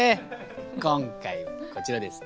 今回はこちらです。